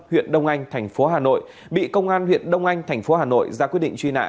huyện đông anh thành phố hà nội bị công an huyện đông anh thành phố hà nội ra quyết định truy nã